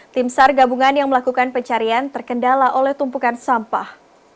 tim sar gabungan yang melakukan pencarian terkendala oleh tumpukan sampah